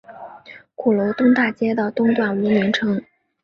鼓楼东大街的东段无名称。